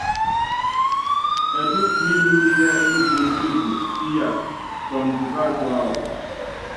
Ɛtú mínúmítɛ nopuóli epue, iyá, tuáŋtukal tuáwɔ!